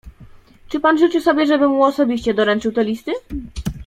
"Czy pan życzy sobie, żebym mu osobiście doręczył te listy?"